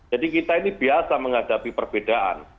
jadi kita ini biasa menghadapi perbedaan